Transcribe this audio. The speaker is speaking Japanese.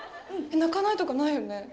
泣かないとかないよね？